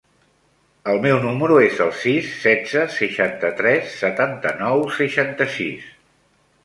El meu número es el sis, setze, seixanta-tres, setanta-nou, seixanta-sis.